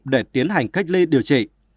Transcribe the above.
để tiến hành cách ly điều trị